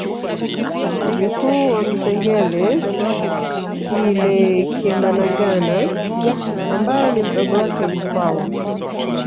Mjukuu wa Msengele Kilekamagana ambaye ni mdogo wake Mkwawa